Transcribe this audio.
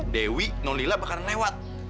dewi nolila bakalan lewat